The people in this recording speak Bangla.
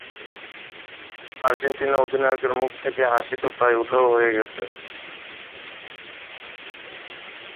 আর্জেন্টিনা অধিনায়কের মুখ থেকে হাসি তো প্রায় উধাও হয়ে গেছে।